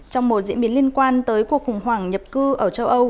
trong một diễn biến liên quan tới cuộc khủng hoảng nhập cư ở châu âu